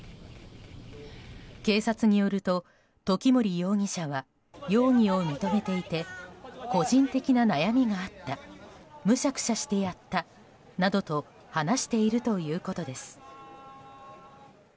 警察によると、時森容疑者は容疑を認めていて個人的な悩みがあったむしゃくしゃしてやったなどと話しているということです。